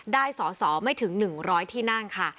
ได้สอสอไม่ถึง๑๐๐ที่นั่งค่ะ